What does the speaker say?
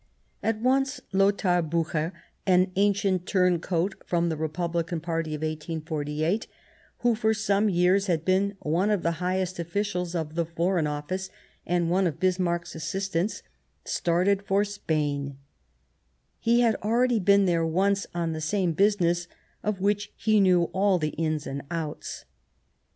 At once Lothar Bucher, an ancient turncoat from the Republican party of 1848, who for some years had been one of the highest officials of the Foreign Office and one of Bismarck's assistants, started for Spain ; he had already been there once on the same business of which he knew all the ins and outs.